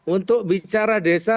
untuk bicara desa